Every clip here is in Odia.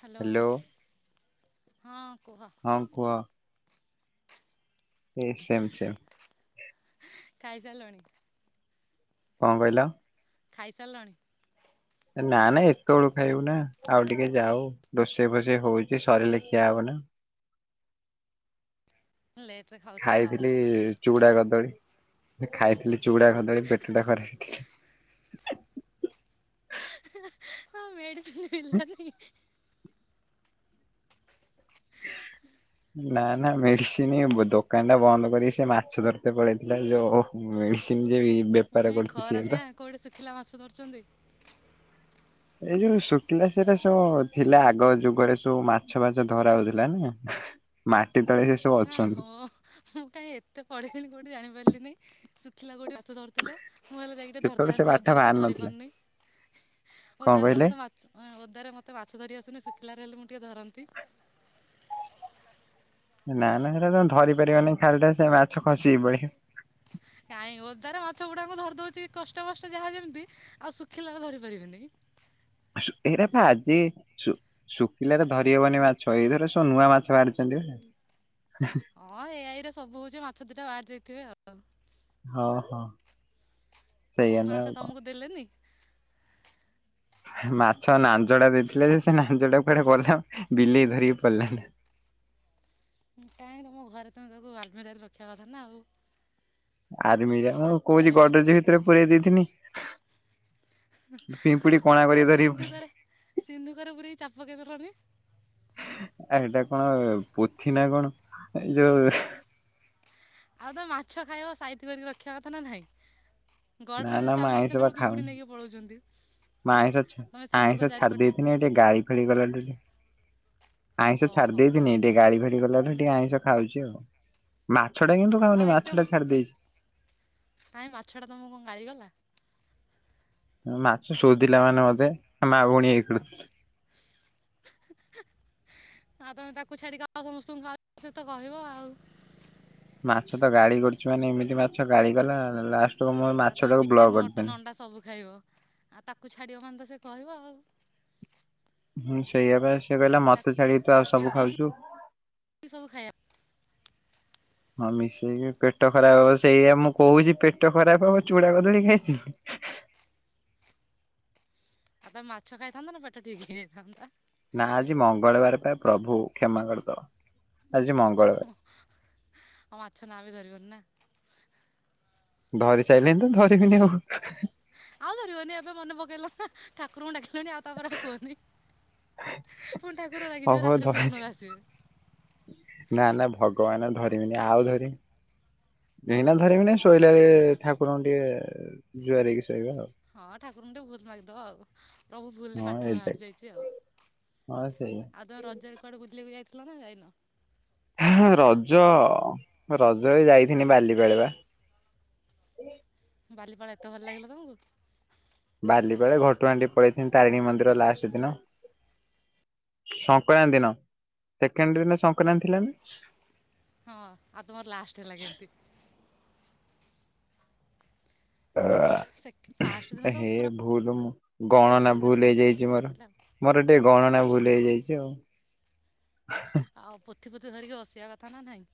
ହାଲୋ ହ୍ୟାଲୋ ହଁ କୁହ। ହଁ କୁହ ଏ ସେମ ସେମ। ଖାଇସାରିଲଣି? କଣ କହିଲ? ଖାଇ ସାରିଲାଣି? ନା ନା ଏତେ ବଳୁ ଖାଇବୁ ନା, ଆଉ ଟିକେ ଯାଉ, ରୋଷେଇ ଫୋସେଇ ହଉଛି ସରିଲେ ଖିଆ ହବ [inaudible] ଲେଟରେ ଖାଉଛ ଆଉ। ଖାଇଥିଲି ଚୁଡ଼ା କଦଳୀ। ଖାଇଥିଲି ଚୁଡ଼ା କଦଳୀ ପେଟଟା ଖରେ ହା ହା ହଁ ମେଡ଼ିସିନ୍ ମିଳିଲାନି? ହା ନା ନା ମେଡିସିନ ଦୋକାନ ଟା ବନ୍ଦ କରି ସେ ମାଛ ଧରିତେ ପଳେଇଥିଲା ଯୋଉ ମେଡ଼ିସିନ ଯୋଇ ଉମ ଏଇ ଖରା ଦିଆ କୋଉଠି ଶୁଖିଲା ମାଛ ଧରୁଛନ୍ତି? ଏଇ ଯୋଉ ଶୁଖିଲା ସେଟା ସବୁ ଥିଲା ଆଗ ଯୁଗରେ ସବୁ ମାଛ ଫାଛ ଧରା ହଉଥିଲା ନା। ମାଟି ତଳେ ସବୁ ନା ଅଛନ୍ତି ହୋ ମୁଁ କାଇଁ ଏତେ ପଢ଼ିଥିଲି କୋଉଠି ଜାଣିପାରିଲିନି ଶୁଖିଲା କୋଉଠି ମାଛ ଧରିଥିଲେ ମୁଁ ହେଲେ ଯାଇକି ଟିକେ ସେତେବେଳେ ସେ ଧରିଥାନ୍ତି ବାଟା ଓଦାରେ ତ ବାହାରି ଧରି ନଥିଲା ପାରୁନି। କଣ ଓଦାରେ ତ କହିଲେ? ମତେ ମାଛ ଉମ ଓଦାରେ ମତେ ମାଛ ଧରି ଆସୁନି ଶୁଖିଲାରେ ହେଲେ ମୁ ଟିକେ ଧରନ୍ତି। ନା ନା ସେଟା ତମେ ଧରି ପାରିବନି ଖାଲିଟାରେ ସେ ମାଛ ଖସିକି ପଳେଇବେ। କାଇଁ ଓଦାରେ ମାଛ ଗୁଡ଼ାକୁ ଧରି ଦଉଛି କଷ୍ଟେ ମଷ୍ଟେ ଯାହା ଯେମିତି ଆଉ ଶୁଖିଲାରେ ଧରି ପାରିବିନି? ଏଇଟା ପା ଆଜି ଶୁ ଶୁଖିଲାରେ ଧରିହବନି ମାଛ ଏଇଥର ସବୁ ନୂଆ ମାଛ ବାହାରିଛନ୍ତି ପା। ଆହ୍ନା। ଏ ଆଇ ରେ ସବୁ ହଉଛି ମାଛ ଦିଟା ବାହାରି ଯାଇଥିବେ ଆଉ। ହଁ ହଁ। ସେଇଆ ନୁହେଁ ଆଉ ମାଛ କଣ ତମକୁ ଦେଲେନି? ମାଛ ଲାଞ୍ଜ ଟା ଦେଇଥିଲେ ଯେ ସେ ଲାଞ୍ଜ ଟାକୁ କୁଆଡେ ଗଲା ବିଲେଇ ଧରିକି ପଳେଇଲାଣି। କାଇଁ ତମ ଘରେ ତମେ ତାକୁ ଆଲମିରାରେ ରଖିବା କଥା ନା ଆଉ। ଆର୍ମିରା ମୁଁ ମାଛ କହୁଛି ଖାଇବ ଗଡରେଜ ଭିତରେ ପୁରେଇ ଦେଇଥିନି। ହା ହା ପିମ୍ପୁଡି କଣା ଆଉ କରିକି ଧରିକି ପଳେଇଲା। ସିନ୍ଧୁକରେ ସିନ୍ଧୁକରେ ପୁରେଇ ଚାବି ପକେଇ ଦେଲନି। ହ ଆ ଏଇଟା କଣ ପୋଥି ନା କଣ? ଏ ଯୋଉ ଆଉ ତମେ ମାଛ ଖାଇବ ସାଇତି କରିକି ରଖିବା କଥା ନା ନାହିଁ? ନା ନା ଗଡରେଜରେ ମୁଁ ଚାବି ଆଇଁଷ ପକେଇଲା ବା ବେଳକୁ ପିମ୍ପୁଡି ଖାଉନି ନେଇକି ପଳଉଛନ୍ତି। ମୁଁ ଆଇଁଷ ତମେ ସିନ୍ଧୁକ ଆଇଁଷ ଛାଡ଼ି ଚାରିପଟେ ଦେଇଥିଲି ଟିକେ ଗାଳି ଫାଳି କଲାଠୁ ଟି ଆଇଁଷ ଛାଡି ଓହୋ ଦେଇଥିନି ଟିକେ ଗାଳି ଫାଳି କଲାରୁ ଟିକେ ଆଇଁଷ ଖାଉଛି ଆଉ ମା ଆଉ ଏତେ ମ ଏ କାଇଁ ମାଛଟା ତମକୁ କଣ ଗାଳିକଲା? ମାଛ ଶୋଧିଲା ମାନେ ମତେ ମା ଭଉଣୀ ଏଇ ଆଉ ତମେ ତାକୁ ଛାଡ଼ିକି ଆଉ ସମସ୍ତଙ୍କୁ ଖା ସେ ତ କହିବ ଆଉ। ମାଛ ତ ଗାଳି କରୁଛି ମାନେ ଏମିତି ମାଛ ଗାଳିକଲା ଲାଷ୍ଟ ଆଉ ତମେ ଚିକେନ୍ ମଟନ୍ ଅଣ୍ଡା ସବୁ ଖାଇବ। ଆଉ ତାକୁ ଛାଡ଼ିବ ମାନେ ତ ସେ କହିବ ଆଉ। ହୁଁ ସେଇଆ ପା ସେ କହିଲା ତାକୁ ମତେ ଛାଡ଼ିକି ତୁ ଆଉ ସବୁ ଖାଉଛୁ। କଉ ଖାଇବା? ହଁ ମିଶେଇକି ପେଟ ଖରାପ ହବ ସେଇଆ ମୁଁ କହୁଛି, ପେଟ ଖରାପ ହବ ଚୁଡା କଦଳୀ ଖାଇଛ, ଦିଅ ହେ ହେ [unintelligible] [inaudible] ଆ ତମେ ମାଛ ଖାଇଥାନ୍ତ ତ ପେଟ ଠିକ ହେଇ ଯାଇ ଥାନ୍ତା। ନା ଆଜି ମଙ୍ଗଳବାର ପାଇଁ ପ୍ରଭୁ କ୍ଷମା କରିଦେବ। ଆ ହ ହ ମାଛ ନା ବି ଧରିବନି ନା ଧରି ସାଇଲିଣି ତ ଧରିବିିନି କ ଆଉ ଧରିବନି ଏବେ ମନେ ପକେଇଲ ନା, ଆନ୍ହ [unintelligible] ଠାକୁରଙ୍କୁ ଡାକିଲଣି ଆଉ ତାପରେ ଆଉ କୁହନି। ପୁଣି ଠାକୁର ହଉ ରାଗିଯିବ ହଉ ରାତିରେ ଧରି ସ୍ୱପ୍ନରେ ଆସିବେ। ଭଗବାନ୍ ଆଉ ଧରିିବିନି ଆଉ ଧରିମି ଏଇନା ଧରିବିନା ଶୋଇଲା [unintelligible] ରେ ଠାକୁରଙ୍କୁ ଟିକେ ଜୁଆର ହେକି ଶୋଇବା ଆଉ [unintelligible] ଟେ ଭୋଉତ୍ ମାଗ୍ ଦବ ଆଉ। ଅହ୍ ପ୍ରଭୁ ଭୁଲ୍ ରେ ହଁ ପାଟିରୁ ଏଇ ବାହାରି ଯାଇଛି ଆଉ। ହଁ ସେଇଆ। ଆଉ ତମେ ରଜରେ କୁଆଡ଼େ ବୁଲିବାକୁ ଯାଇ ଦେଖିଲ ନା ଯାଇନ। ହା ରଜ ରଜରେ ଯାଇଥିନି ବାଲିପାଳ ବା। [inaudible] ବାଲିପାଳେ ଏତେ ଭଲ ଲାଗିଲା ତମକୁ? ବାଲିପାଳେ ଘଟଗାଁ ଟିକେ ପଳେଇଥିନି ତାରିଣୀ ମନ୍ଦିର ଲାଷ୍ଟ ଦିନ। ସଙ୍କରାନ୍ତି ଦିନ, ସେକେଣ୍ଡ ଦିନ ସଂକ୍ରରାନ୍ତି ଥିଲାନା? ହଁ, ଆଉ ତୁମର ଲାଷ୍ଟ ହେଲା କେମତି? [inaudible] ଫାଷ୍ଟ ଦିନ ଉହଁ ତ ଏହେ ପୁରା ଭୁଲୁ ମୁଁ ଗଣନା ସେକେଣ୍ଡ ଭୁଲ ଦିନଟା ଯାହା ହେଇଯାଇଛି ଟିକେ ମୋରୋ ହେଇଥିଲା ମୋର ଟିକେ ଗଣନା। ଭୁଲ ହେଇ ଯାଇଛି ଆଉ, ହାଁ ହାଁ। ଏଥିପତି ଧରିକି ହସିବା କଥା ନା ନାହିଁ।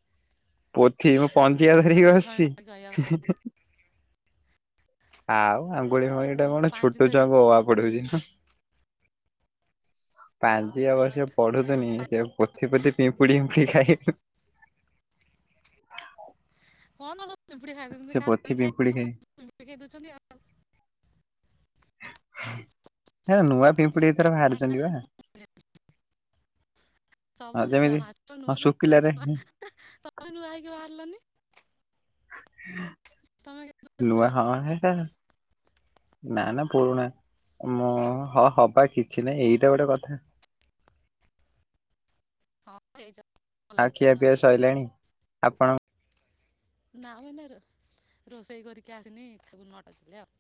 ପୋଥି ମୁଁ ପଞ୍ଚିକା ଧରିବାକୁ ଆଙ୍ଗୁଳି ଆସ୍ ଫାଙ୍ଗୁଳି ଛି ଧରିକି ରହିବା ହୁଁହୁଁ ହୁଁ। [unintelligible] ପାଂଜିୟ କଥା ବର୍ଷ ପାଞ୍ଜି ଧରିକି ପଢୁଥିନି ଯେଉଁ ପୋଥିପୋତି ପିମ୍ପୁଡ଼ିିହିମ୍ପୁଡି ଖାଇ [unintelligible] [unintelligible] ଚିମ୍ପୁଡି ଖାଇଦୌଛନ୍ତି ସେ କାହାର ପୋଥି ପିମ୍ପୁଡି ଖାଇ [unintelligible] [unintelligible] [unintelligible] ଖାଇଦୌଛନ୍ତି ଆଉ। ହେରା ନୂଆ ପି ପୁଡ଼ି ଏଥର ଭାରି ଆଉ ଚନ୍ତି ପା। ସବୁ ନୂ-ଆ ମା-ଛ ନୂ-ଆ ପିମ୍ପୁଡି ଶୁଖିଲାରେ ନୂ-ଆ ହେଁ ଏଁ ତ-ମେ ନୂଆ ହେଇକି ଭାର ଲନି। ତମେ ନୁଆ ହଁ କେମିତି ହେ ଟା। ନା ନା ପୁରୁଣା। ମୋ ହ ହବା କିଛି ନାଇ଼ ଏଇଟା ଗୋଟେ କଥା। ହଁ। [unintelligible] ଆ ଲାଗୁଛି ଖିଆ ପିଆ ନା ସଇଲାଣି ଆପଣ ନା ମୁଁ ଏଇନା ରୋ-ରୋଷେଇ କରିକି ଆସିନି ଖାଇବୁ ନଅଟା ବେଳେ ଆଉ।